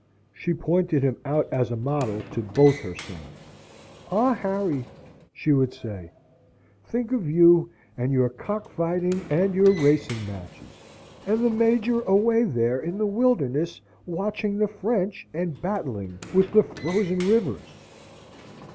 She pointed him out as a model to both her sons. "Ah, Harry!" she would say, "think of you, with your cock fighting and your racing matches, and the Major away there in the wilderness, watching the French, and battling with the frozen rivers!